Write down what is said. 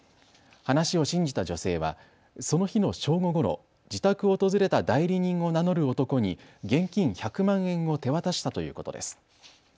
話を信じた女性はその日の正午ごろ、自宅を訪れた代理人を名乗る男に現金１００万円を手渡したということです。